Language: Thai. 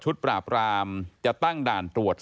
ปราบรามจะตั้งด่านตรวจ